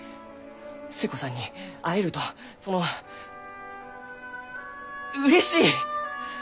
寿恵子さんに会えるとそのうれしい！